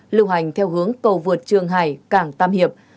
lưu hành theo hướng cầu vượt trường hải cảng tam hiệp